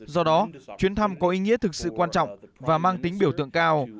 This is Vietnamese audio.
do đó chuyến thăm có ý nghĩa thực sự quan trọng và mang tính biểu tượng cao